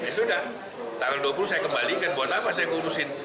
ya sudah tanggal dua puluh saya kembalikan buat apa saya ngurusin